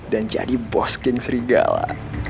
dan jadi bos geng serigala